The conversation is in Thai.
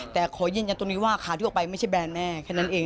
แต่ขอยืนยันตรงนี้ว่าขาที่ออกไปไม่ใช่แบรนด์แน่แค่นั้นเอง